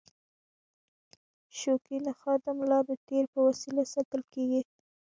شوکي نخاع د ملا د تیر په وسیله ساتل کېږي.